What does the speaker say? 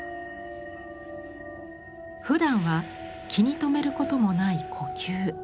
ふだんは気に留めることもない呼吸。